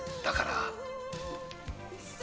だから。